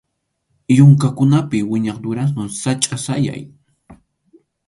Yunkakunapi wiñaq durazno sachʼa sayay.